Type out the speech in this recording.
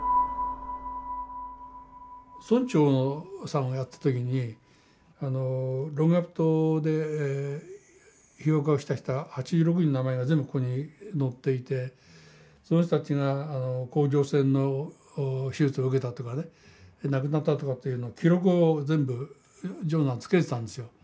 村長さんをやった時にロンゲラップ島で被ばくをした人８６人の名前が全部ここに載っていてその人たちが甲状腺の手術を受けたとかね亡くなったとかというの記録を全部ジョンがつけてたんですよ。